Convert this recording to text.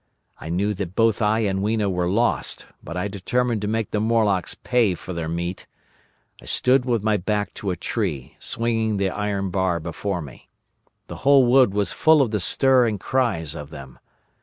I knew that both I and Weena were lost, but I determined to make the Morlocks pay for their meat. I stood with my back to a tree, swinging the iron bar before me. The whole wood was full of the stir and cries of them.